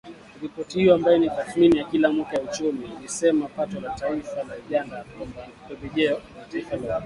Ripoti hiyo, ambayo ni tathmini ya kila mwaka ya uchumi, ilisema pato la taifa la Uganda Pembejeo la Kitaifa la Ukuaji.